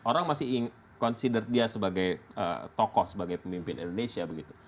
orang masih considert dia sebagai tokoh sebagai pemimpin indonesia begitu